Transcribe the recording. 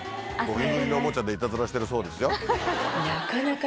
ゴキブリのおもちゃでイタズラしてるそうですよ。